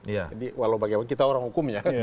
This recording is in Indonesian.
jadi walau bagaimana kita orang hukum ya